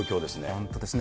本当ですね。